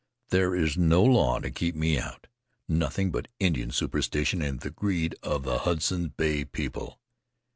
"There is no law to keep me out, nothing but Indian superstition and Naza! And the greed of the Hudson's Bay people.